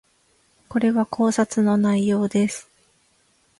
これは考察の内容です